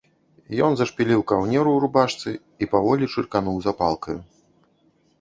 Ён зашпіліў каўнер у рубашцы і паволі чыркануў запалкаю.